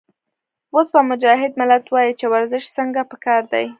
اوس به مجاهد ملت وائي چې ورزش څنګه پکار دے